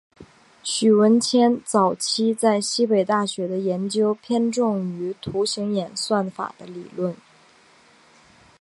许闻廉早期在西北大学的研究偏重于图形演算法的理论。